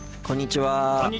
こんにちは。